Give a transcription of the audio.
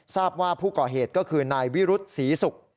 ทราบว่าผู้ก่อเหตุก็คือนายวิรุษศรีศุกร์